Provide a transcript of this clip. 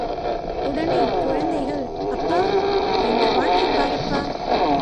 உடனே குழந்தைகள், அப்பா, இந்த வாத்தைப் பாரப்பா!